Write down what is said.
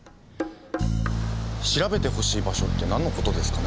調べてほしい場所ってなんのことですかね。